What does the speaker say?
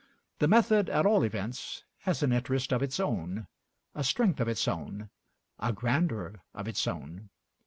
The method at all events has an interest of its own, a strength of its own, a grandeur of its own.